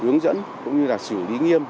để hướng dẫn cũng như là xử lý nghiêm